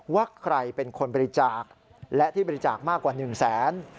ว่าใครเป็นคนบริจาคและที่บริจาคมากกว่า๑แสน